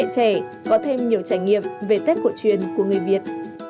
những người trẻ có thêm nhiều trải nghiệm về tết hội truyền của người việt